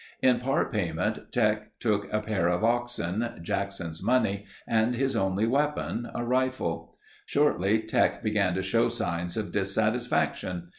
In part payment Teck took a pair of oxen, Jackson's money and his only weapon, a rifle. Shortly Teck began to show signs of dissatisfaction.